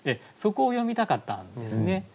そこを詠みたかったんですね。